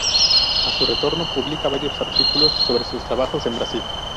A su retorno, publica varios artículos sobre sus trabajos en Brasil.